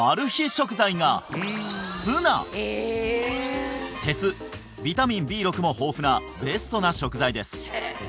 食材がツナ鉄ビタミンＢ６も豊富なベストな食材です